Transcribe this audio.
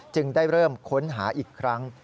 จึงได้เริ่มค้นหาอีกครั้ง